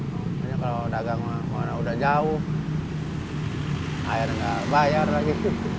makanya kalau dagang mau udah jauh akhirnya nggak bayar lagi